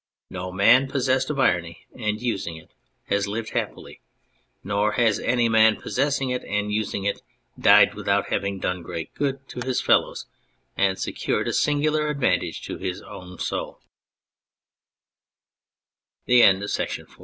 No man possessed of irony and using it has lived happily ; nor has any man possessing it and using it died without having done great good to his fellows and secured a singular advantage to his own sou